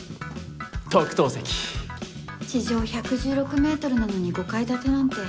地上１１６メートルなのに５階建てなんて。